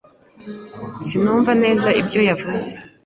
Sinumva neza ibyo yavuze.